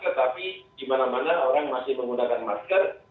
karena kita sudah terbiasa menggunakan masker